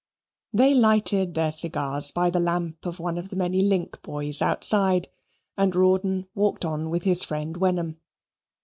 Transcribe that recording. They lighted their cigars by the lamp of one of the many link boys outside, and Rawdon walked on with his friend Wenham.